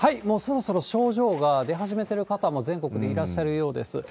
もうそろそろ症状が出始めてる方も全国でいらっしゃるようです。